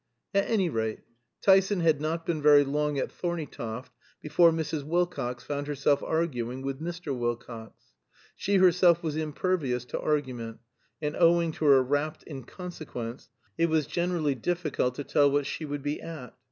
At any rate, Tyson had not been very long at Thorneytoft before Mrs. Wilcox found herself arguing with Mr. Wilcox. She herself was impervious to argument, and owing to her rapt inconsequence it was generally difficult to tell what she would be at.